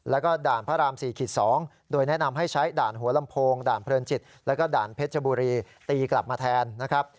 แล้วก็ด่านพระราม๔๒โดยแนะนำให้ใช้ด่านหัวลำโพงด่านเพลินจิตแล้วก็ด่านเพชรบุรีตีกลับมาแทนนะครับ